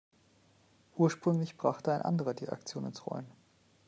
Ursprünglich brachte ein anderer die Aktion ins Rollen.